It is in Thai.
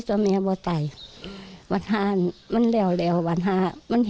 ใจขาดตาย